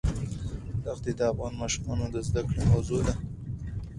دښتې د افغان ماشومانو د زده کړې موضوع ده.